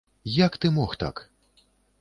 Як ты мог так.